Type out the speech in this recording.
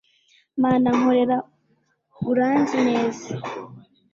mana nkorera uranzi neza